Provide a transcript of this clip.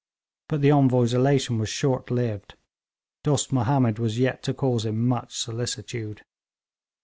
But the Envoy's elation was short lived. Dost Mahomed was yet to cause him much solicitude.